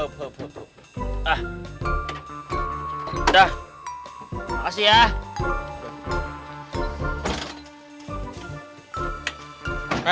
udah makasih ya